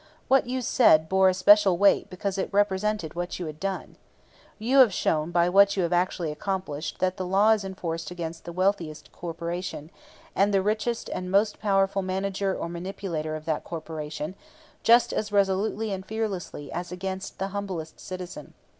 What you said bore especial weight because it represented what you had done. You have shown by what you have actually accomplished that the law is enforced against the wealthiest corporation, and the richest and most powerful manager or manipulator of that corporation, just as resolutely and fearlessly as against the humblest citizen.